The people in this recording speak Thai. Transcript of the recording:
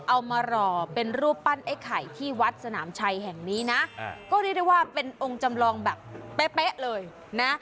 เอามารอเป็นรูปปั้นไอ้ไข่ที่วัดสนามชัยแห่งนี้นะก็เรียกได้ว่าเป็นองค์จำลองแบบเป๊ะเลยนะ